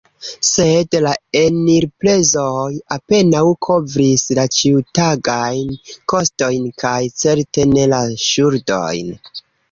Sed la enirprezoj apenaŭ kovris la ĉiutagajn kostojn kaj certe ne la ŝuldojn.